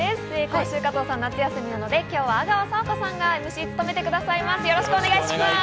今週、加藤さん、夏休みなので、今日は阿川佐和子さんがＭＣを務めてくださいます。